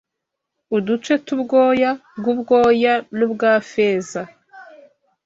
Uduce twubwoya bwubwoya nubwa feza